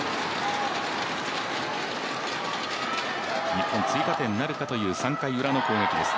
日本、追加点なるかという３回のウラの攻撃です。